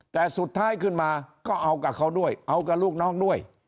แต่สุดท้ายขึ้นมาก็เอากับเขาด้วยเอากับลูกน้องด้วย